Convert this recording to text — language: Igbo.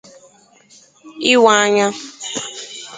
ịwa anya